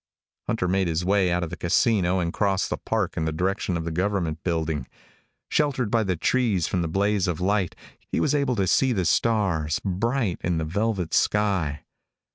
Hunter made his way out of the casino and crossed the park in the direction of the government building. Sheltered by the trees from the blaze of light, he was able to see the stars, bright in the velvet sky.